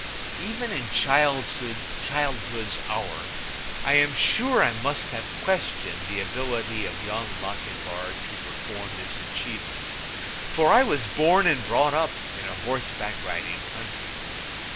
Even in childhood's hour I am sure I must have questioned the ability of Young Lochinvar to perform this achievement, for I was born and brought up in a horseback riding country.